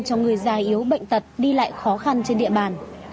cho người già yếu bệnh tật đi lại khó khăn trên địa bàn